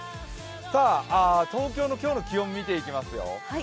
東京の今日の気温見ていきますよ。